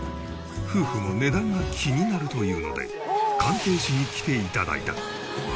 夫婦も値段が気になるというので鑑定士に来て頂いた。